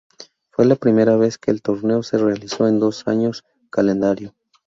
Fue la primera vez que el torneo se realizó en dos años calendario.